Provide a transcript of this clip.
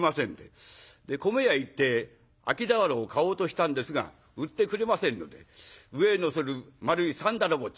米屋行って空き俵を買おうとしたんですが売ってくれませんので上へのせる丸いさんだらぼっち